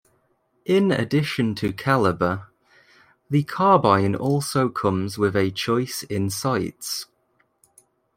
In addition to caliber, the Carbine also comes with a choice in sights.